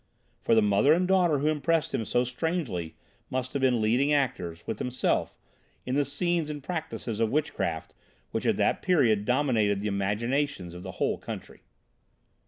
For the mother and daughter who impressed him so strangely must have been leading actors, with himself, in the scenes and practices of witchcraft which at that period dominated the imaginations of the whole country.